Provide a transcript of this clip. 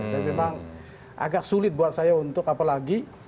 jadi memang agak sulit buat saya untuk apalagi